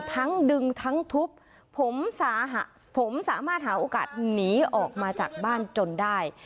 ทั้งดึงทั้งทุบผมสามารถหาโอกาสหนีออกมาจากบ้านจนได้